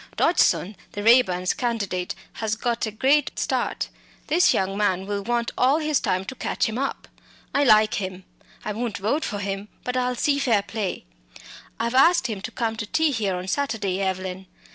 Dodgson, the Raeburns' candidate, has got a great start; this young man will want all his time to catch him up. I like him. I won't vote for him; but I'll see fair play. I've asked him to come to tea here on Saturday, Evelyn.